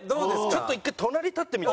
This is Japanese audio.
ちょっと一回隣立ってみて。